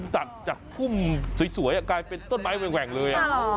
จากจากพุ่มสวยกลายเป็นต้นไม้แหว่งเลย